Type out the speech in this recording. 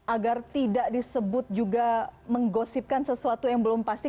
agar tidak disebut juga menggosipkan sesuatu yang belum pasti